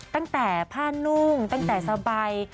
ตั้งแต่ผ้านุ่งตั้งแต่สบาย